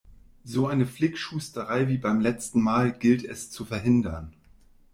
So eine Flickschusterei wie beim letzten Mal gilt es zu verhindern.